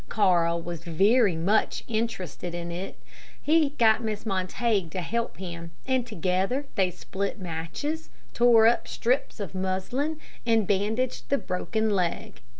Carl was very much interested in it. He got Mrs. Montague to help him, and together they split matches, tore up strips of muslin, and bandaged the broken leg.